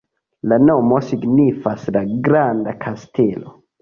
La nomo signifas: "la granda kastelo".